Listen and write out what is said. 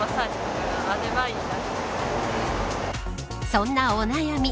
そんなお悩み